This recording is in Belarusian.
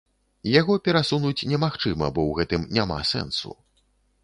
Яго перасунуць немагчыма, бо ў гэтым няма сэнсу.